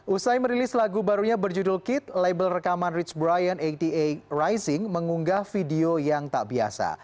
usai merilis lagu barunya berjudul kid label rekaman rich brian delapan puluh delapan rising mengunggah video yang tak biasa